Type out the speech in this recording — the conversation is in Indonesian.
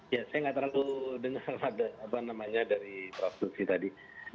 ya saya tidak terlalu dengar apa namanya dari transduksi tadi